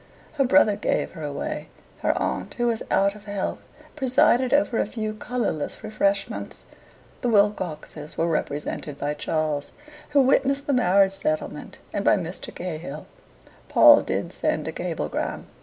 Her brother gave her away, her aunt, who was out of health, presided over a few colourless refreshments. The Wilcoxes were represented by Charles, who witnessed the marriage settlement, and by Mr. Cahill. Paul did send a cablegram.